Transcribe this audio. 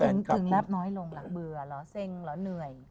ทำไมถึงลับน้อยลงหลักเบื่อหรอเส้นหรอเหนื่อย